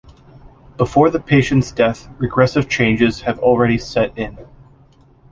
Before the patient's death regressive changes have already set in.